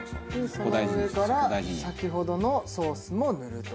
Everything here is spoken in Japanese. その上から先ほどのソースも塗ると。